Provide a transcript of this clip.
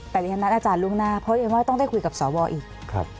ขอบคุณอาจารย์สำหรับวันนี้นะครับ